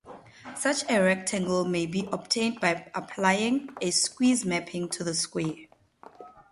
Such a rectangle may be obtained by applying a squeeze mapping to the square.